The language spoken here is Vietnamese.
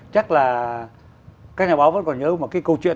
chắc là các nhà báo vẫn còn nhớ một cái câu chuyện